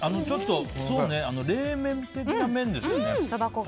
冷麺的な麺ですね。